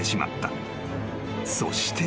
［そして］